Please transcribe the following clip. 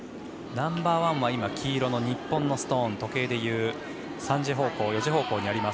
ナンバーワンは今、黄色の日本のストーンで時計でいう３時方向、４時方向。